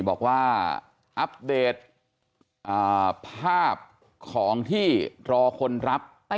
บอกว่าอัปเดตภาพของที่รอคนรับไปดูแลต่อ